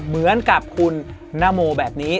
เหมือนกับคุณนโมแบบนี้